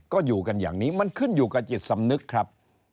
ก็อยู่กันอย่างนี้มันขึ้นอยู่กับจิตสำนึกครับ